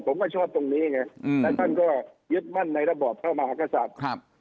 ผมก็ชอบตรงนี้ไงและท่านก็ยึดมั่นในระบอบเข้ามาอากาศัพท์